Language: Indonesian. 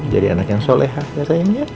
jadi anak yang soleh ya sayangnya